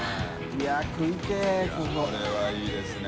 いやこれはいいですね。